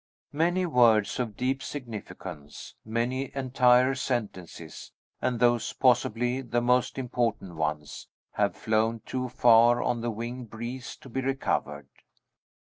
Many words of deep significance, many entire sentences, and those possibly the most important ones, have flown too far on the winged breeze to be recovered.